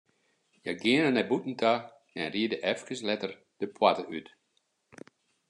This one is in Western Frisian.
Hja geane nei bûten ta en ride eefkes letter de poarte út.